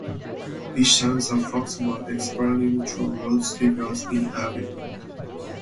Each time the facts were explained through loudspeakers in every room.